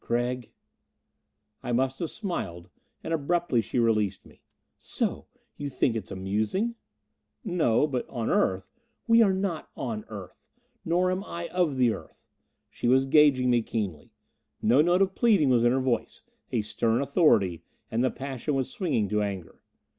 "Gregg " I must have smiled. And abruptly she released me. "So you think it amusing?" "No. But on Earth " "We are not on the Earth. Nor am I of the Earth!" She was gauging me keenly. No note of pleading was in her voice; a stern authority; and the passion was swinging to anger.